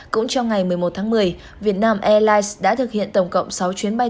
cũng trong ngày một mươi một tháng một mươi vietnam airlines đã thực hiện tổng cộng sáu chuyến bay